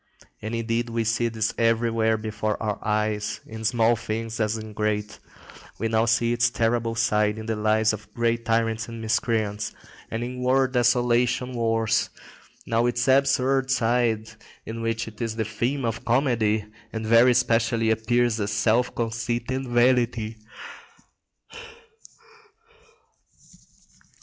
And indeed we see this everywhere before our eyes, in small things as in great. Now we see its terrible side in the lives of great tyrants and miscreants, and in world desolating wars; now its absurd side, in which it is the theme of comedy, and very specially appears as self conceit and vanity.